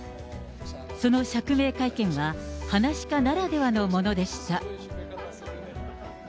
その釈明会見は、はなし家ならではのものでした。